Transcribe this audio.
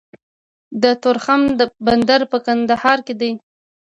د تورخم بندر په ننګرهار کې دی